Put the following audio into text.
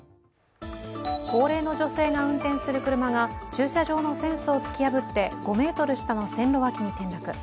高齢の女性が運転する車が駐車場のフェンスを突き破って、５ｍ下の線路脇に転落。